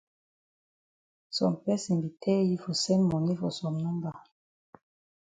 Some person be tell yi for send moni for some number.